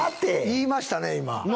言いましたね、今。